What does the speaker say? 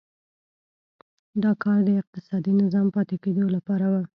دا کار د اقتصادي نظام پاتې کېدو لپاره و.